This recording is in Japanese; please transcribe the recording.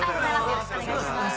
よろしくお願いします。